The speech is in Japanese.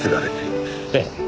ええ。